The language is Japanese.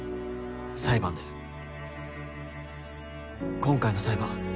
裁判で今回の裁判。